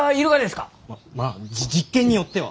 ままあ実験によっては。